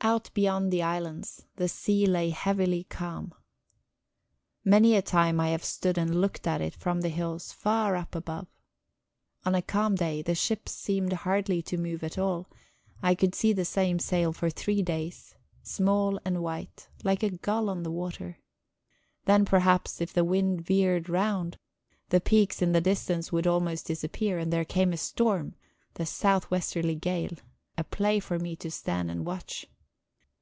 Out beyond the islands, the sea lay heavily calm. Many a time I have stood and looked at it from the hills, far up above. On a calm day, the ships seemed hardly to move at all; I could see the same sail for three days, small and white, like a gull on the water. Then, perhaps, if the wind veered round, the peaks in the distance would almost disappear, and there came a storm, the south westerly gale; a play for me to stand and watch.